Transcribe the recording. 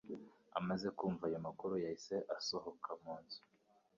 Amaze kumva ayo makuru, yahise asohoka mu nzu.